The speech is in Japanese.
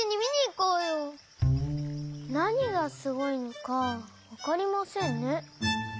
なにがすごいのかわかりませんね。